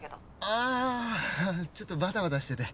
ああちょっとバタバタしてて。